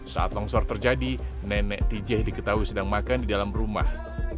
saat longsor terjadi nenek tije diketahui sedang makan di dalam rumah